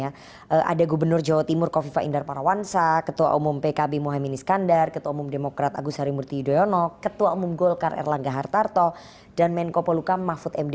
ada gubernur jawa timur kofifa indar parawansa ketua umum pkb mohaimin iskandar ketua umum demokrat agus harimurti yudhoyono ketua umum golkar erlangga hartarto dan menko poluka mahfud md